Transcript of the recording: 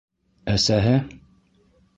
Әсәһе: